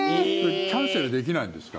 キャンセルできないんですか？